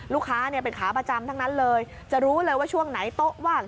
ลูกค้าเนี่ยเป็นขาประจำทั้งนั้นเลยจะรู้เลยว่าช่วงไหนโต๊ะว่าง